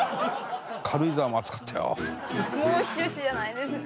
もう避暑地じゃないですね。